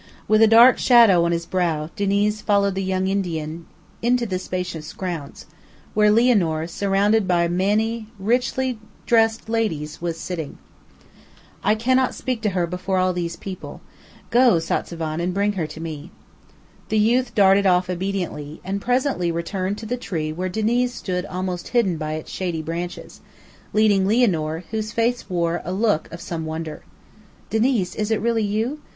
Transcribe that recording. With a dark shadow on his brow, Diniz followed the young Indian into the spacious grounds, where Lianor, surrounded by many richly dressed ladies, was sitting. "I cannot speak to her before all those people. Go, Satzavan, and bring her to me." The youth darted off obediently, and presently returned to the tree where Diniz stood almost hidden by its shady branches, leading Lianor, whose face wore a look of some wonder. "Diniz, is it really you?